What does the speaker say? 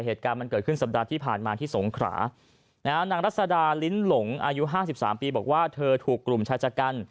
เหตุการณ์มันเกิดขึ้นสัปดาห์ที่ผ่านมาที่สงขรา